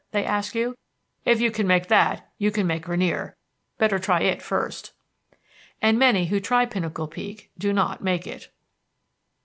they ask you. "If you can make that you can make Rainier. Better try it first." And many who try Pinnacle Peak do not make it.